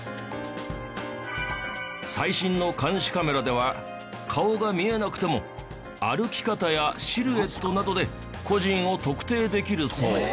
最新の監視カメラでは顔が見えなくても歩き方やシルエットなどで個人を特定できるそう。